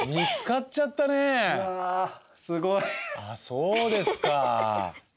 そうですか。